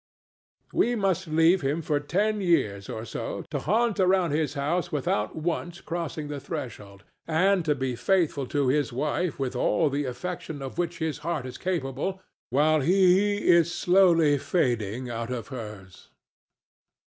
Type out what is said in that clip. We must leave him for ten years or so to haunt around his house without once crossing the threshold, and to be faithful to his wife with all the affection of which his heart is capable, while he is slowly fading out of hers.